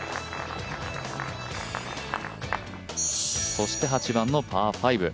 そして８番のパー５。